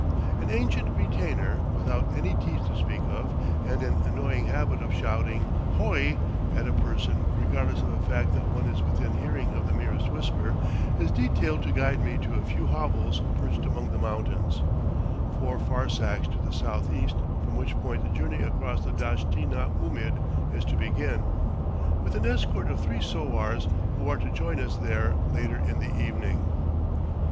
An ancient retainer, without any teeth to speak of, and an annoying habit of shouting "h o i!" at a person, regardless of the fact that one is within hearing of the merest whisper, is detailed to guide me to a few hovels perched among the mountains, four farsakhs to the southeast, from which point the journey across the Dasht i na oomid is to begin, with an escort of three sowars, who are to join us there later in the evening.